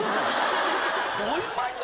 どういうマインド？